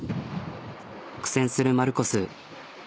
苦戦するマルコス。